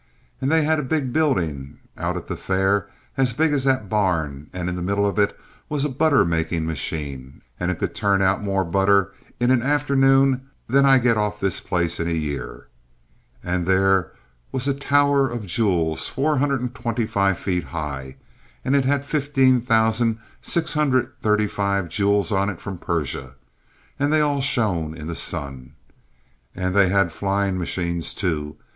An' they had a big buildin' out at the fair as big as that barn, and in the middle of it was a butter making machine, and it could turn out more butter in an afternoon than I get off this place in a year. An' there was a Tower of Jewels 425 feet high, and it had 15,635 jewels on it from Persia. And they all shone in the sun. And they had flying machines, too.